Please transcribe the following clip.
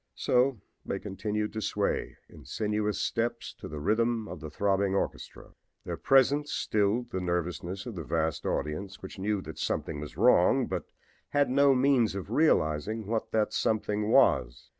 So they continued to sway in sinuous steps to the rhythm of the throbbing orchestra. Their presence stilled the nervousness of the vast audience, which knew that something was wrong, but had no means of realizing what that something was.